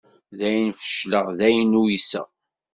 Dayen fecleɣ, dayen uyseɣ.